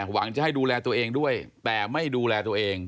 หวังจะให้ดูแลตัวเองด้วยแต่ไม่ดูแลตัวเอง